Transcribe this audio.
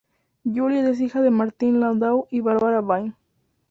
Juliet es hija de Martin Landau y Barbara Bain.